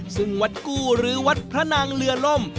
ซึ่งวัดกู้หรือวัดพระนางเรือล่ม